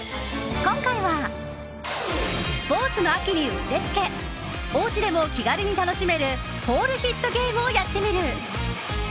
今回はスポーツの秋にうってつけお家でも気軽に楽しめるポールヒットゲームをやってみる。